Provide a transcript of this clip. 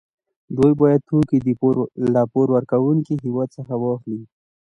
دوی باید توکي له پور ورکوونکي هېواد څخه واخلي